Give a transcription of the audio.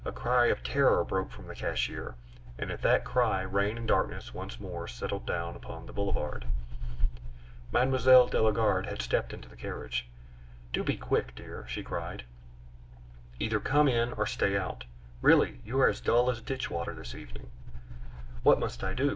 A cry of terror broke from the cashier, and at that cry rain and darkness once more settled down upon the Boulevard. Mme. de la Garde had stepped into the carriage. "Do be quick, dear!" she cried; "either come in or stay out. Really, you are as dull as ditch water this evening " "What must I do?"